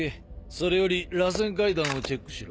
それよりらせん階段をチェックしろ。